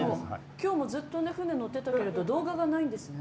きょうもずっと舟乗ってたけど動画がないんですね。